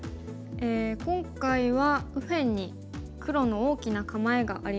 今回は右辺に黒の大きな構えがありますね。